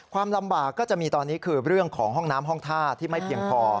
ความลำบากก็จะมีตอนนี้คือเรื่องของห้องน้ำห้องท่าที่ไม่เพียงพอ